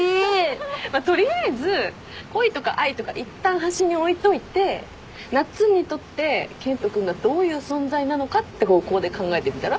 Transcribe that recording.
まあ取りあえず恋とか愛とかいったん端に置いといてなっつんにとって健人君がどういう存在なのかって方向で考えてみたら？